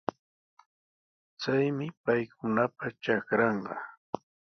Chaymi paykunapa trakranqa.